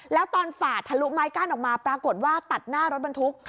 แล้วตอนฝาดทะลุไม้กั้นออกมาปรากฏว่าตัดหน้ารถบรรทุก